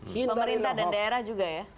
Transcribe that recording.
pemerintah dan daerah juga ya